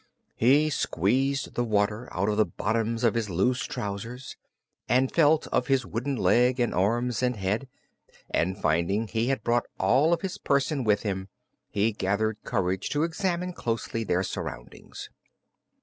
He squeezed the water out of the bottoms of his loose trousers and felt of his wooden leg and arms and head, and finding he had brought all of his person with him he gathered courage to examine closely their surroundings.